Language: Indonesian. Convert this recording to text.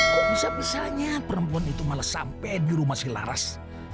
kok bisa bisanya perempuan itu malah sampai di rumah selaras